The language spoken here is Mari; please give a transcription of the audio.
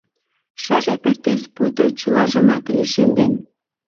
Шыже пӱртӱс пуйто чылажымат лишемден.